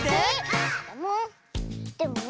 でもね